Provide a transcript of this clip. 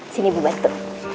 sini bu bantu